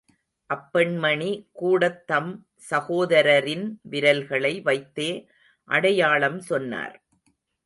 அப்பெண்மணி கூடத் தம் சகோதரரின் விரல்களை வைத்தே அடையாளம் சொன்னார்.